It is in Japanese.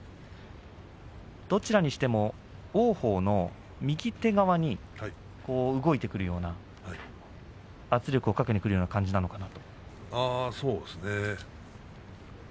どちらにしても王鵬の右手側に動いてくれるような圧力をかけにくるような感じなんですかね。